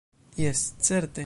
Jes, certe!